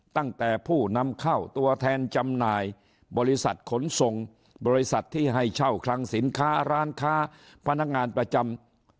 ตั้งแต่ผู้นำเข้าตัวแทนจำหน่ายบริษัทขนส่งบริษัทที่ให้เช่าคลังสินค้าร้านค้าพนักงานประจำ